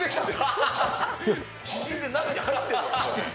縮んで中に入ってんの？